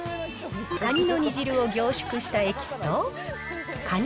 カニの煮汁を凝縮したエキスと、カニ